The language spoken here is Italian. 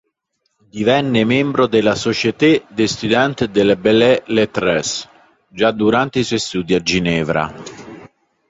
Divenne membro della "Société d'Etudiants de Belles-Lettres" già durante i suoi studi a Ginevra.